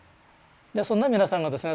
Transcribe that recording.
そんな皆さんがですね